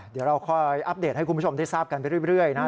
เดี๋ยวเราค่อยอัปเดตให้คุณผู้ชมได้ทราบกันไปเรื่อยนะ